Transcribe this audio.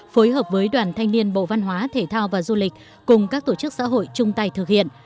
phối hợp với đoàn thanh niên bộ văn hóa thể thao và du lịch cùng các tổ chức xã hội chung tay thực hiện